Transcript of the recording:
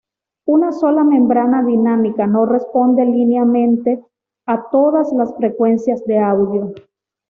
Una sola membrana dinámica no responde linealmente a todas las frecuencias de audio.